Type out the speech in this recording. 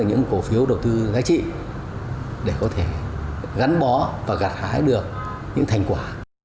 những cổ phiếu đầu tư giá trị để có thể gắn bó và gạt hái được những thành quả